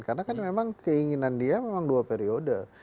karena kan memang keinginan dia memang dua periode